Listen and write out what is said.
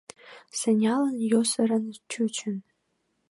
Сенялан йӧнысырын чучын.